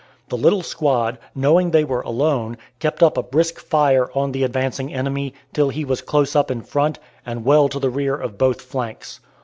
The little squad, knowing they were alone, kept up a brisk fire on the advancing enemy, till he was close up in front, and well to the rear of both flanks.